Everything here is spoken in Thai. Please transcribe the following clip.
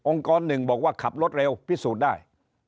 กรหนึ่งบอกว่าขับรถเร็วพิสูจน์ได้